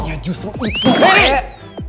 ya justru itu pak regar